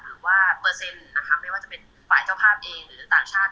หรือว่าเปอร์เซ็นต์นะคะไม่ว่าจะเป็นฝ่ายเจ้าภาพเองหรือต่างชาติ